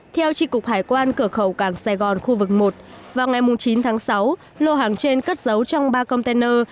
theo tri cục hải quan cửa khẩu cảng sài gòn khu vực một vào ngày chín tháng sáu lô hàng trên cất giấu trong ba container